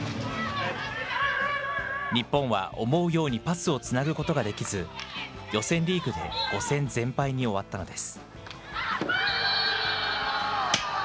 日本は思うようにパスをつなぐことができず、予選リーグで５戦全敗に終わったのです。